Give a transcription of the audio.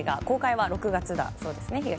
公開は６月だそうですね